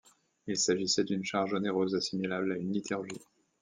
Il s'agissait d'une charge onéreuse assimilable à une liturgie.